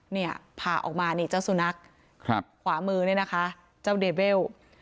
เนี่ยผ่าออกมานี่เจ้าสุนัขขวามือเนี่ยนะคะเจ้าเดเวล